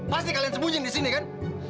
pasti kalian sembunyi disini kan